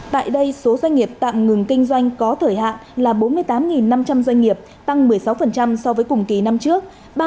tại đây số doanh nghiệp tạm ngừng kinh doanh có thời hạn là bốn mươi tám năm trăm linh doanh nghiệp tăng một mươi sáu so với cùng kỳ năm trước